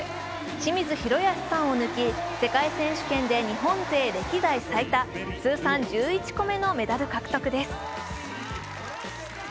清水宏保さんを抜き、世界選手権で日本勢歴代最多、通算１１個目のメダル獲得です。